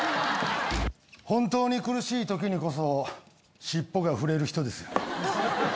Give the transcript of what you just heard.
本当に苦しい時にこそシッポが振れる人ですよ。